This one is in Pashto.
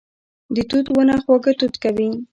د توت ونه خواږه توت کوي